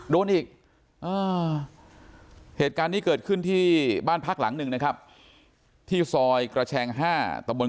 โดนอีกเหตุการณ์นี้เกิดขึ้นที่บ้านพักหลังหนึ่งนะครับที่ซอยกระแชง๕ตะบน